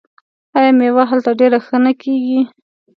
آیا میوه هلته ډیره ښه نه کیږي؟